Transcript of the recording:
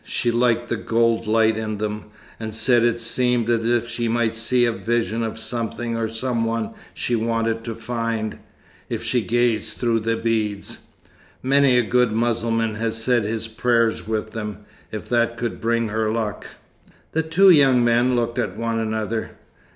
She liked the gold light in them, and said it seemed as if she might see a vision of something or some one she wanted to find, if she gazed through the beads. Many a good Mussulman has said his prayers with them, if that could bring her luck." The two young men looked at one another.